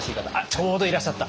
ちょうどいらっしゃった。